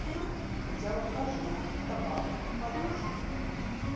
Узяў кажух, табаку, падушку.